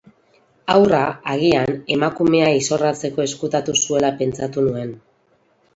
Haurra, agian, emakumea izorratzeko ezkutatu zuela pentsatu nuen.